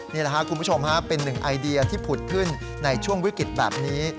นี่แหละครับคุณผู้ชมเป็นหนึ่งไอเดียที่ผุดขึ้นในช่วงวิกฤตแบบนี้